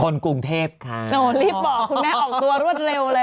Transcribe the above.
คนกรุงเทพค่ะโหรีบบอกคุณแม่ออกตัวรวดเร็วเลย